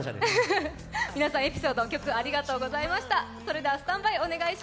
皆さん、エピソード曲ありがとうございました。